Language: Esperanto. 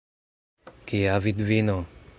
Kia vidvino?